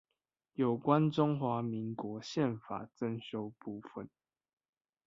有關中華民國憲法增修部分